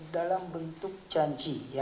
dalam bentuk janji